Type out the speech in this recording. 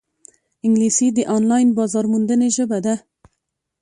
انګلیسي د آنلاین بازارموندنې ژبه ده